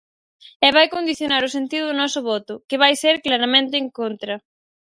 E vai condicionar o sentido do noso voto, que vai ser claramente en contra.